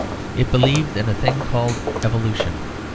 It believed in a thing called Evolution.